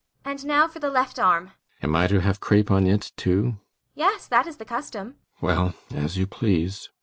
And now for the left arm. ALLMERS. Am I to have crape on it too? ASTA. Yes, that is the custom. ALLMERS. Well as you please.